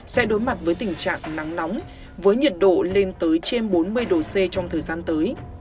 sẽ đối mặt với tình trạng nắng nóng với nhiệt độ lên tới trên bốn mươi độ c trong thời gian tới